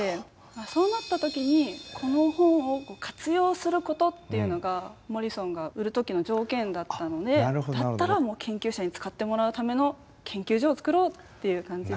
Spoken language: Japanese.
そうなった時にこの本を活用することっていうのがモリソンが売る時の条件だったのでだったら研究者に使ってもらうための研究所をつくろうっていう感じで。